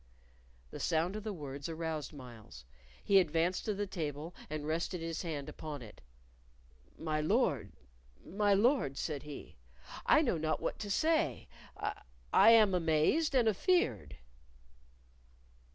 The sound of the words aroused Myles. He advanced to the table, and rested his hand upon it. "My Lord my Lord," said he, "I know not what to say, I I am amazed and afeard."